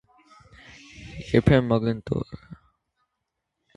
Երբեմն մագնիտոռադիոլա անվանում են երաժշտական կենտրոն։